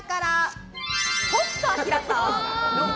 北斗晶さん。